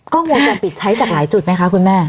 กล้องวงจรปิดใช้จากหลายจุดไหมคะคุณแม่